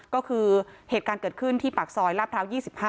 ก็คือเหตุการณ์เกิดขึ้นที่ปากซอยลาดพร้าว๒๕